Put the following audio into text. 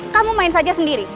kamu main saja sendiri